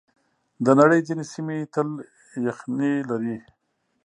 د نړۍ ځینې سیمې تل یخنۍ لري.